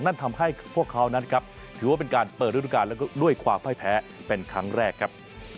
นั่นทำให้พวกเขานั้นครับถือว่าเป็นการเปิดฤดูการแล้วก็ด้วยความพ่ายแพ้เป็นครั้งแรกครับ